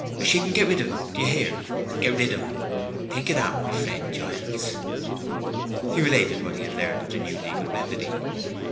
She can get rid of him—d'ye hear?—get rid of him. Think of that, my friend Giles!" He related what he had learned of the new legal remedy.